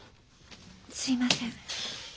すみません。